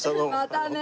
またね。